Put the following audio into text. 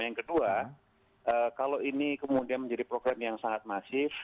yang kedua kalau ini kemudian menjadi program yang sangat masif